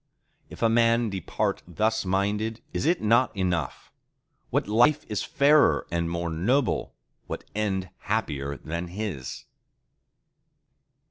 —If a man depart thus minded, is it not enough? What life is fairer and more noble, what end happier than his?